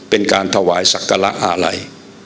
เป็นการถวายศักระอาลัย